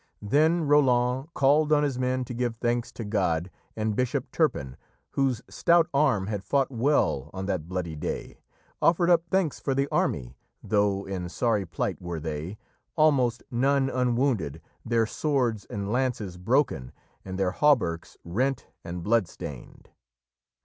Then Roland called on his men to give thanks to God, and Bishop Turpin, whose stout arm had fought well on that bloody day, offered up thanks for the army, though in sorry plight were they, almost none unwounded, their swords and lances broken, and their hauberks rent and blood stained.